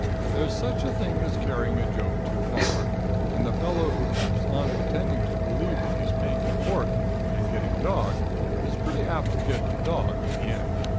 There's such a thing as carrying a joke too far, and the fellow who keeps on pretending to believe that he's paying for pork and getting dog is pretty apt to get dog in the end.